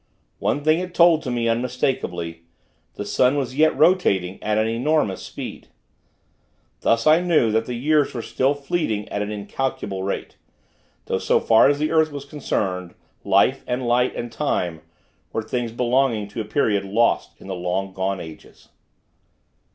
One thing it told to me, unmistakably: the sun was yet rotating at an enormous speed. Thus, I knew that the years were still fleeting at an incalculable rate; though so far as the earth was concerned, life, and light, and time, were things belonging to a period lost in the long gone ages.